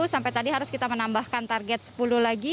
sampai tadi harus kita menambahkan target sepuluh lagi